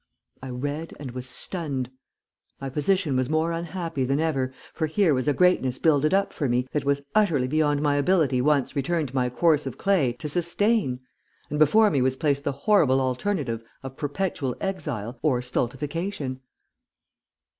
I read and was stunned. My position was more unhappy than ever, for here was a greatness builded up for me, that was utterly beyond my ability once returned to my corse of clay to sustain, and before me was placed the horrible alternative of perpetual exile or stultification."